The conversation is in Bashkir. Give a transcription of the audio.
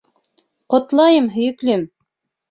Ҡотлайым, һойөклөм!